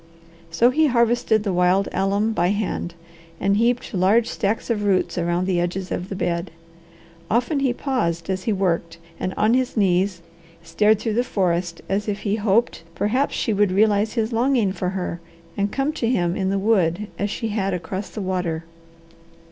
So he harvested the wild alum by hand, and heaped large stacks of roots around the edges of the bed. Often he paused as he worked and on his knees stared through the forest as if he hoped perhaps she would realize his longing for her, and come to him in the wood as she had across the water.